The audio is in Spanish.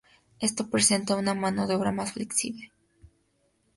Esto representa una mano de obra más flexible.